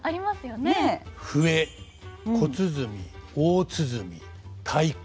笛小鼓大鼓太鼓